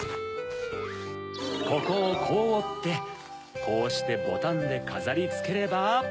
ここをこうおってこうしてボタンでかざりつければ。